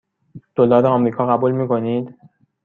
دلار آمریکا قبول می کنید؟